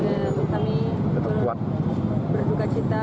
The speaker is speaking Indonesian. dan kami berduka cita